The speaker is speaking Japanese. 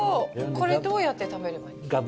これ、どうやって食べればいいんですか？